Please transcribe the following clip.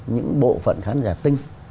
những bộ phận khán giả tinh